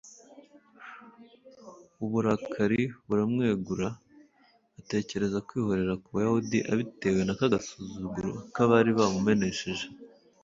uburakari buramwegura, atekereza kwihorera ku bayahudi abitewe na ka gasuzuguro k'abari bamumenesheje